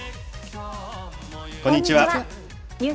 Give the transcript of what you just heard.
こんにちは。